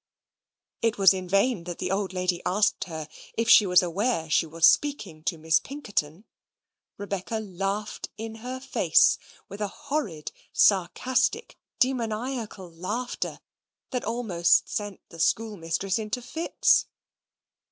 It was in vain that the old lady asked her if she was aware she was speaking to Miss Pinkerton? Rebecca laughed in her face, with a horrid sarcastic demoniacal laughter, that almost sent the schoolmistress into fits.